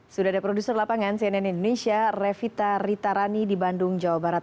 sudah ada produser lapangan cnn indonesia revita ritarani di bandung jawa barat